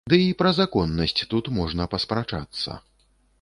Дый пра законнасць тут можна паспрачацца.